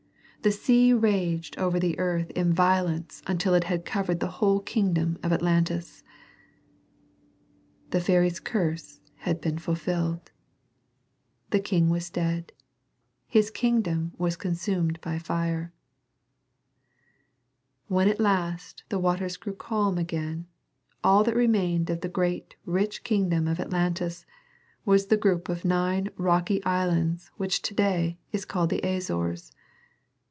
Then the sea raged over the earth in violence until it had covered the whole kingdom of Atlantis. [Illustration: King Graywhite struck his royal sword against the great wall] The fairy's curse had been fulfilled. The king was dead. His kingdom was consumed by fire. When at last the waters grew calm again all that remained of the great rich kingdom of Atlantis was the group of nine rocky islands which to day is called the Azores.